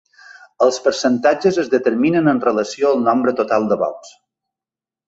Els percentatges es determinen en relació al nombre total de vots.